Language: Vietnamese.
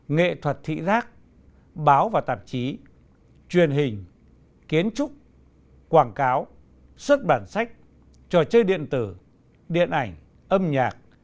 nghệ thuật thị giác báo và tạp chí truyền hình kiến trúc quảng cáo xuất bản sách trò chơi điện tử điện ảnh âm nhạc